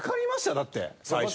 だって最初。